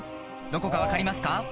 どこか分かりますか？］